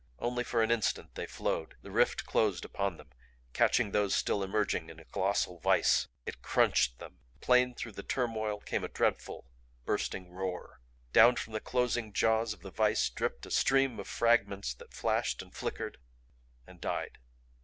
Only for an instant they flowed. The rift closed upon them, catching those still emerging in a colossal vise. It CRUNCHED them. Plain through the turmoil came a dreadful bursting roar. Down from the closing jaws of the vise dripped a stream of fragments that flashed and flickered and died.